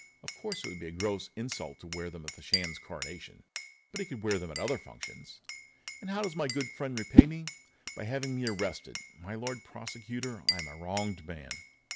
Of course it would be a gross insult to wear them at the Shan's Coronation, but he could wear them at other functions. "And how does my good friend repay me? By having me arrested. My Lord Prosecutor, I am a wronged man."